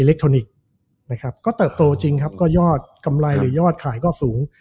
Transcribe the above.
เล็กทรอนิกส์นะครับก็เติบโตจริงครับก็ยอดกำไรหรือยอดขายก็สูง